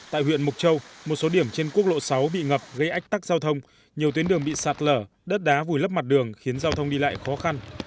tại huyện mộc châu một số điểm trên quốc lộ sáu bị ngập gây ách tắc giao thông nhiều tuyến đường bị sạt lở đất đá vùi lấp mặt đường khiến giao thông đi lại khó khăn